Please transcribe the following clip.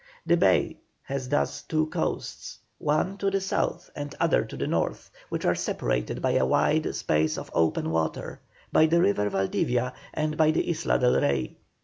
The bay has thus two coasts, one to the south the other to the north, which are separated by a wide space of open water, by the river Valdivia, and by the Isla del Rey.